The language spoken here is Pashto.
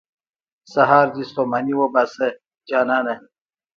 سهار دې ستوماني وباسه، جانانه.